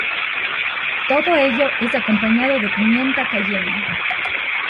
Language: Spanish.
Todo ello es acompañado de pimienta cayena.